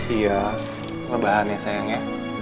iya lebahan ya sayang ya